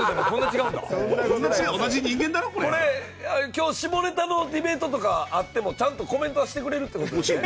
今日下ネタのディベートとかあってもちゃんとコメントはしてくれるって事ですね？